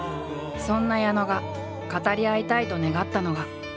そんな矢野が語り合いたいと願ったのが。